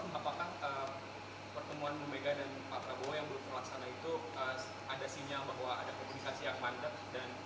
mas apakah pertemuan bumega dan patraboa yang belum terlaksana itu ada sinyal bahwa ada komunikasi yang mandat